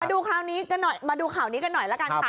ดูคราวนี้กันหน่อยมาดูข่าวนี้กันหน่อยละกันค่ะ